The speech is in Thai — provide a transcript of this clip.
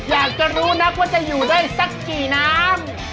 อยากจะรู้นักว่าจะอยู่ได้สักกี่น้ำ